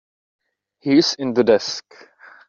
He's in the desk.